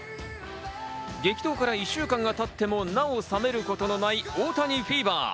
激闘から１週間が経っても、なお冷めることのない大谷フィーバー。